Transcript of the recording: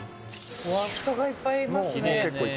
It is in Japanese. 人がいっぱいいますね。